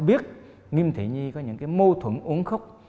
sao biết nghiêm thị nhi có những mâu thuẫn uống khúc